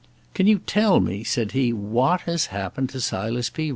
"Can you tell me," said he, "what has happened to Silas P.